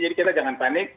jadi kita jangan panik